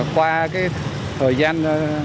qua thời gian